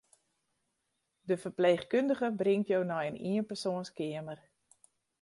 De ferpleechkundige bringt jo nei in ienpersoanskeamer.